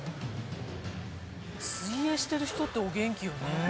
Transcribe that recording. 水泳してる人ってお元気よね。